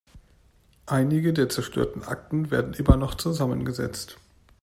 Einige der zerstörten Akten werden immer noch zusammengesetzt.